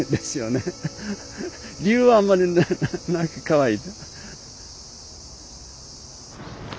理由はあんまりなくかわいい。